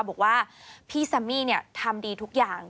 บอกว่าพี่แซมมี่ทำดีทุกอย่าง